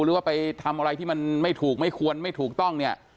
หรือว่าไปทำอะไรที่มันไม่ถูกไม่ควรไม่ถูกต้องเนี่ย